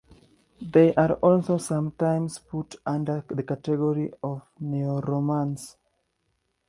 They are also sometimes put under the category of neoromance.